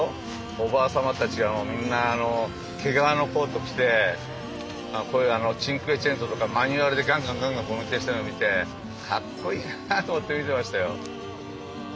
おばあ様たちがみんな毛皮のコート着てこういうチンクエチェントとかマニュアルでガンガンガンガン運転しているのを見てかっこいいなと思って見てましたよ。